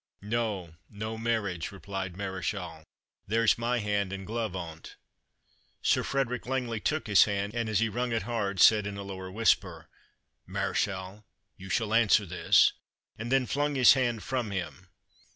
"No no marriage," replied Mareschal, "there's my hand and glove on't." Sir Frederick Langley took his hand, and as he wrung it hard, said in a lower whisper, "Mareschal, you shall answer this," and then flung his hand from him.